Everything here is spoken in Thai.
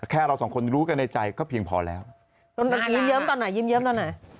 แค่เราสองคนรู้กันในใจก็เพียงพอแล้วยิ้มเยิ้มตอนไหนยิ้มตอนไหน